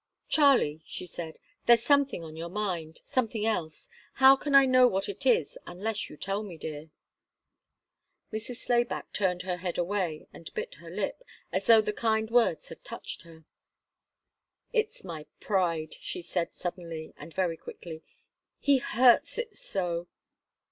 "Charlie," she said, "there's something on your mind something else. How can I know what it is, unless you tell me, dear?" Mrs. Slayback turned her head away, and bit her lip, as though the kind words had touched her. "It's my pride," she said suddenly and very quickly. "He hurts it so!"